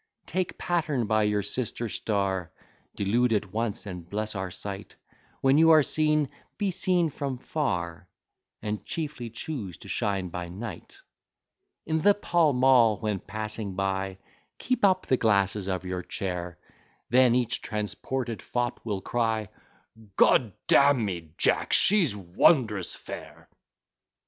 Take pattern by your sister star; Delude at once and bless our sight; When you are seen, be seen from far, And chiefly choose to shine by night. In the Pall Mall when passing by, Keep up the glasses of your chair, Then each transported fop will cry, "G d d n me, Jack, she's wondrous fair!"